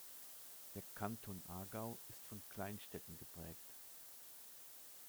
Der Kanton Aargau ist von Kleinstädten geprägt.